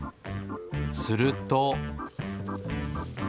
すると。